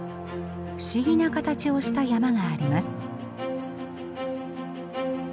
不思議な形をした山があります。